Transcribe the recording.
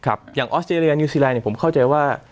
ครับอย่างออสเตรียนิวซีไลน์เนี้ยผมเข้าใจว่า